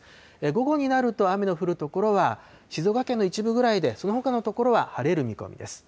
午後になると雨の降る所は、静岡県の一部ぐらいで、そのほかの所は晴れる見込みです。